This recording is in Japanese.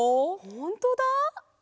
ほんとだ！